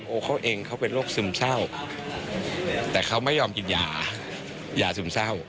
เขาเองเขาเป็นโรคซึมเศร้าแต่เขาไม่ยอมกินยายาซึมเศร้า